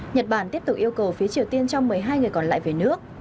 nhật bản tiếp tục yêu cầu phía triều tiên cho một mươi hai người còn lại về nước